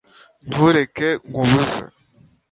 ntureke nkubuze